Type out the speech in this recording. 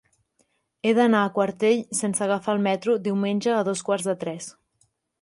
He d'anar a Quartell sense agafar el metro diumenge a dos quarts de tres.